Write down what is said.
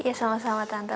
iya sama sama tante